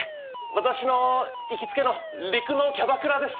私の行きつけの陸のキャバクラです。